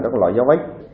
các loại dao vết